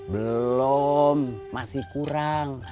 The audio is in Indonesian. belum masih kurang